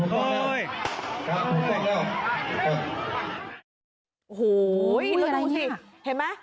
เห็นมะ